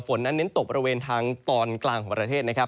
ฝนนั้นเน้นตกบริเวณทางตอนกลางของประเทศนะครับ